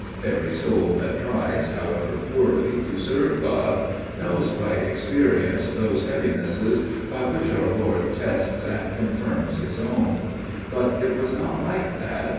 Every soul that tries, however poorly, to serve God, knows by experience those heavinesses by which our Lord tests and confirms His own: but it was not like that.